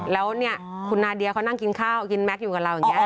แล้วเนี่ยคุณนาเดียเขานั่งกินข้าวกินแม็กซ์อยู่กับเราอย่างนี้